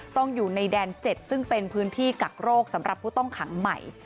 ต้องอยู่ในแดน๗ซึ่งเป็นพื้นที่กักโรคสำหรับผู้ต้องขังใหม่